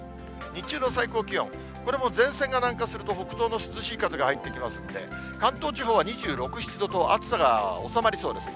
日中の最高気温、これも前線が南下すると、北東の涼しい風が入ってきますんで、関東地方は２６、７度と、暑さが収まりそうです。